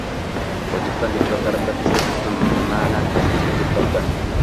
O‘zbekiston deputatlari propiska so‘zini ma’nan eskirgan deb topdi